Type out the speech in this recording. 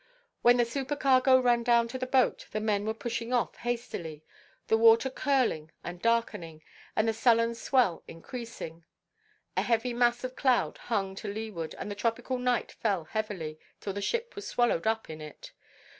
When the supercargo ran down to the boat, the men were pushing off hastily, the water curling and darkening, and a sullen swell increasing. A heavy mass of cloud hung to leeward, and the tropical night fell heavily, till the ship was swallowed up in it.